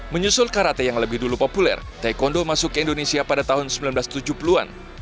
menyusul karate yang lebih dulu populer taekwondo masuk ke indonesia pada tahun seribu sembilan ratus tujuh puluh an